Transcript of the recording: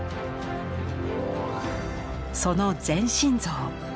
その全身像。